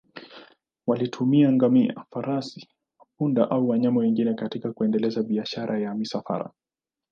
Walitumia ngamia, farasi, punda au wanyama wengine katika kuendeleza biashara ya misafara.